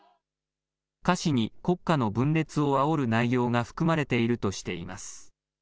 歌詞に国家の分裂をあおる内容が含まれているとしています。